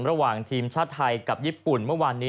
ระหว่างทีมชาติไทยกับญี่ปุ่นเมื่อวานนี้